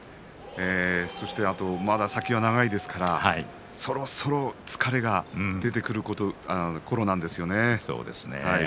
そして、あとまだ先は長いですからそろそろ疲れが出てくるころなんですよね。